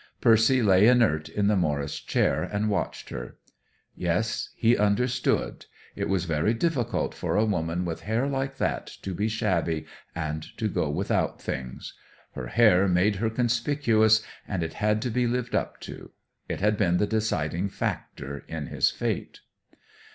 Percy lay inert in the Morris chair and watched her. Yes, he understood; it was very difficult for a woman with hair like that to be shabby and to go without things. Her hair made her conspicuous, and it had to be lived up to. It had been the deciding factor in his fate.